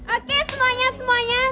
oke semuanya semuanya